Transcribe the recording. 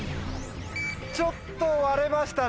ちょっと割れましたね。